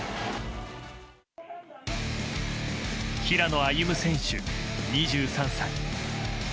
平野歩夢選手、２３歳。